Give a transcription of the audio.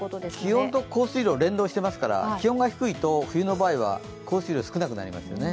気温と降水量は連動していますから、気温が低いと冬の場合は、降水量少なくなりますよね。